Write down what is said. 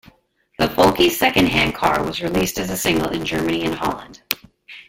The folky "Second Hand Car" was released as a single in Germany and Holland.